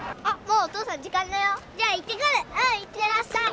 うんいってらっしゃい！